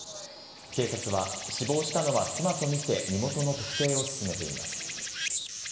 警察は死亡したのは妻と見て、身元の特定を進めています。